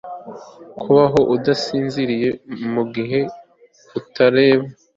Kubaho udasinziriye mugihe utareba